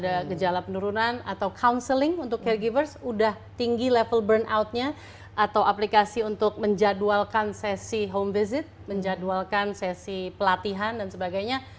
ada gejala penurunan atau counseling untuk caregivers udah tinggi level burnoutnya atau aplikasi untuk menjadwalkan sesi home visit menjadwalkan sesi pelatihan dan sebagainya